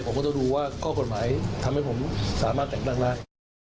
ผมก็ต้องดูว่าข้อกฎหมายทำให้ผมสามารถแต่งตั้งได้